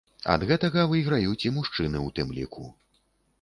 Ад гэтага выйграюць і мужчыны ў тым ліку.